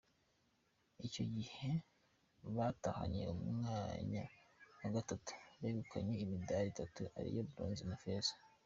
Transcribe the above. Icyo gihe batahanye umwanya wa gatatu, begukanye imidari itatu ariyo Bronze na Feza.